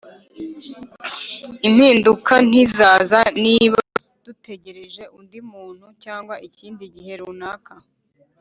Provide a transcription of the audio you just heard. “impinduka ntizaza niba dutegereje undi muntu cyangwa ikindi gihe runaka” .